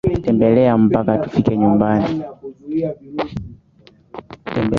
Twatembea mpaka tufike nyumbani